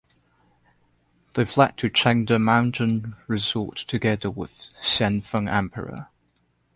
They fled to Chengde Mountain Resort together with Xianfeng Emperor.